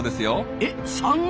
えっ３年！